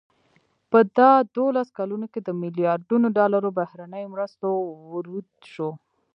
په دا دولسو کلونو کې ملیاردونو ډالرو بهرنیو مرستو ورود شو.